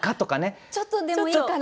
ちょっとでもいいから。